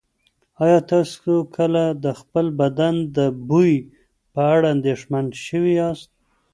ایا تاسو کله د خپل بدن د بوی په اړه اندېښمن شوي یاست؟